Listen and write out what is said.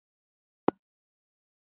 د تیبر سیند ته څېرمه غونډه پرته ده.